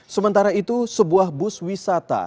sementara itu sebuah bus menempatkan empat orang